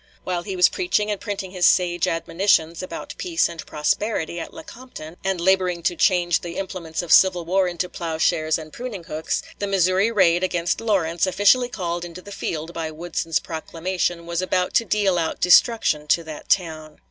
While he was preaching and printing his sage admonitions about peace and prosperity at Lecompton, and laboring to change the implements of civil war into plowshares and pruning hooks, the Missouri raid against Lawrence, officially called into the field by Woodson's proclamation, was about to deal out destruction to that town.